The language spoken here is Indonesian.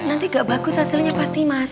nanti gak bagus hasilnya pasti mas